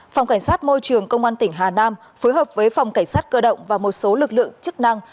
phòng cảnh sát môi trường công an tỉnh hà nam phối hợp với phòng cảnh sát cơ động và một số lực lượng chức năng